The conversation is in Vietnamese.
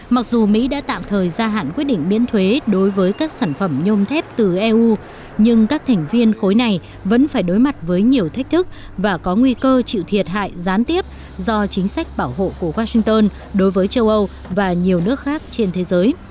mặc dù mỹ đã tạm thời gia hạn quyết định miễn thuế đối với các sản phẩm nhôm thép từ eu nhưng các thành viên khối này vẫn phải đối mặt với nhiều thách thức và có nguy cơ chịu thiệt hại gián tiếp do chính sách bảo hộ của washington đối với châu âu và nhiều nước khác trên thế giới